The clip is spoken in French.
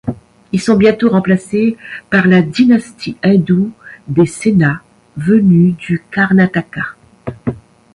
Ils sont bientôt remplacés par la dynastie hindoue des Sena, venue du Karnataka.